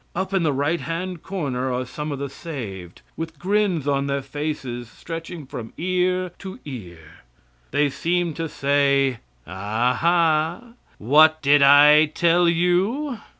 Up in the right hand corner are some of the saved, with grins on their faces stretching from ear to ear. They seem to say: "Aha, what did I tell you?"